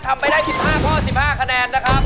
ทำไปได้๑๕ข้อ๑๕คะแนนนะครับ